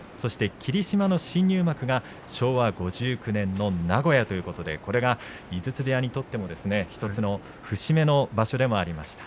霧島の新入幕が昭和５９年の名古屋ということで、これが井筒部屋にとっても１つの節目の場所でもありました。